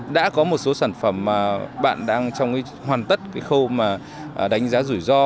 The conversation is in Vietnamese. đã có một số sản phẩm bạn đang hoàn tất khâu đánh giá rủi ro